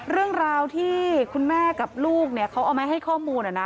เรื่องราวที่คุณแม่กับลูกเขาเอามาให้ข้อมูล